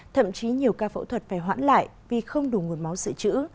thậm chí nhiều ca phẫu thuật phải hoãn lại vì không đủ nguồn máu dự trữ